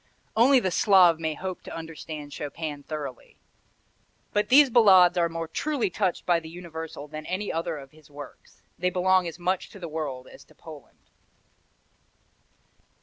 Only the Slav may hope to understand Chopin thoroughly. But these Ballades are more truly touched by the universal than any other of his works. They belong as much to the world as to Poland.